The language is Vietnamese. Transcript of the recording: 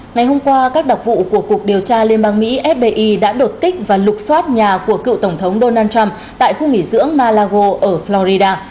ngày hôm qua các đặc vụ của cục điều tra liên bang mỹ fbi đã đột kích và lục xoát nhà của cựu tổng thống donald trump tại khu nghỉ dưỡng malago ở florida